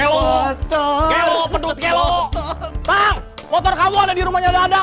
motor motor kamu ada di rumahnya dadang